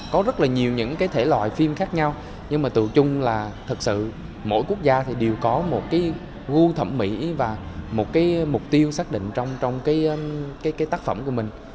có rất là nhiều những cái thể loại phim khác nhau nhưng mà từ chung là thật sự mỗi quốc gia thì đều có một cái gu thẩm mỹ và một cái mục tiêu xác định trong cái tác phẩm của mình